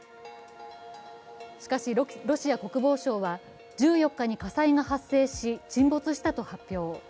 しかし、ロシア国防省は１４日に火災が発生し、沈没したと発表。